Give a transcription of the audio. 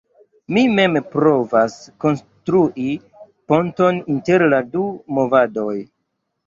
Mi mem provas konstrui ponton inter la du movadoj.